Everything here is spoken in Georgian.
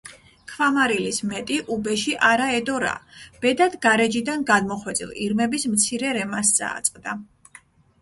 ქვამარილის მეტი უბეში არა ედო რა. ბედად, გარეჯიდან გადმოხვეწილ ირმების მცირე რემას წააწყდა.